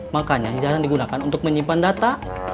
makanya jarang digunakan untuk menyimpan data